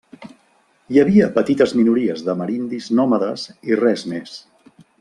Hi havia petites minories d'amerindis nòmades i res més.